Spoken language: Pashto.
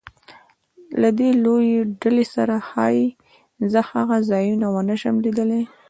له دې لویې ډلې سره ښایي زه هغه ځایونه ونه شم لیدلی.